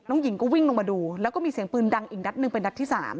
หญิงก็วิ่งลงมาดูแล้วก็มีเสียงปืนดังอีกนัดหนึ่งเป็นนัดที่๓